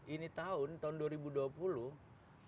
ini tahun tahun dua ribu dua puluh